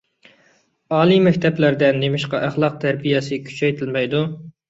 ئالىي مەكتەپلەردە نېمىشقا ئەخلاق تەربىيەسى كۈچەيتىلمەيدۇ؟